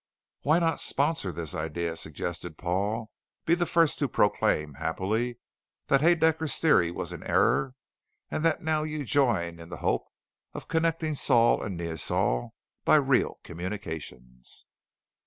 "Why not sponsor this idea?" suggested Paul. "Be the first to proclaim, happily, that Haedaecker's Theory was in error and that you now join in the hope of connecting Sol and Neosol by real communications."